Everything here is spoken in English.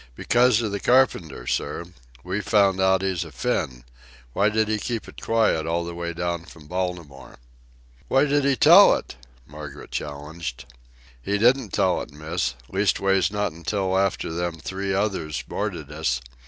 "Because of the carpenter, sir. We've found out he's a Finn. Why did he keep it quiet all the way down from Baltimore?" "Why did he tell it?" Margaret challenged. "He didn't tell it, Miss—leastways, not until after them three others boarded us.